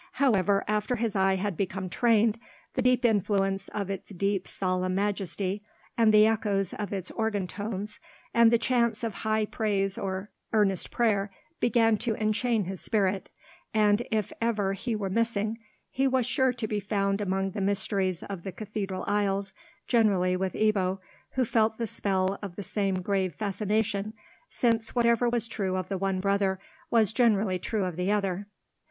However after his eye had become trained, the deep influence of its dim solemn majesty, and of the echoes of its organ tones, and chants of high praise or earnest prayer, began to enchain his spirit; and, if ever he were missing, he was sure to be found among the mysteries of the cathedral aisles, generally with Ebbo, who felt the spell of the same grave fascination, since whatever was true of the one brother was generally true of the other.